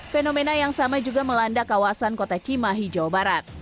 fenomena yang sama juga melanda kawasan kota cimahi jawa barat